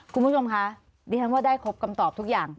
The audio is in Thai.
คุณผู้ชมคะดิฉันว่าได้ครบคำตอบทุกอย่าง